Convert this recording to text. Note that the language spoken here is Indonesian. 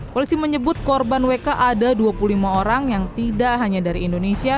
polisi menyebut korban wk ada dua puluh lima orang yang tidak hanya dari indonesia